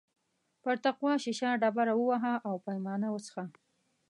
پر تقوا شیشه ډبره ووهه او پیمانه وڅښه.